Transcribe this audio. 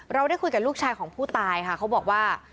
เราได้คุยกับลูกชายของผู้ตายค่ะเขาบอกว่า